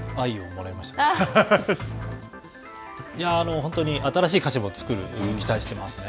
本当に新しい鹿島を作る期待してますね。